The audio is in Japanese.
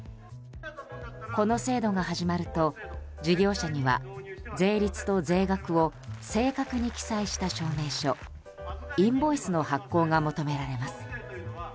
この制度が始まると、事業者には税率と税額を正確に記載した証明書インボイスの発行が求められます。